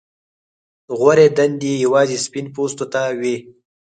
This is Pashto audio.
غوره دندې یوازې سپین پوستو ته وې.